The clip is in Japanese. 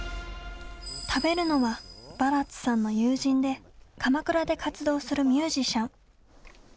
食べるのはバラッツさんの友人で鎌倉で活動するミュージシャン。